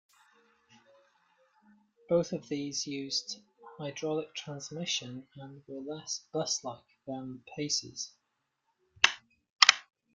Both of these used hydraulic transmission and were less bus-like than the Pacers.